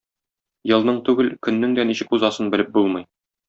Елның түгел көннең дә ничек узасын белеп булмый.